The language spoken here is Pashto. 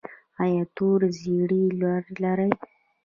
ایا تور زیړی لرئ؟